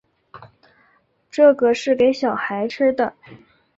这个是给小孩吃的